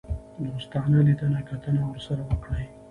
دوستانه لیدنه کتنه ورسره وکړي.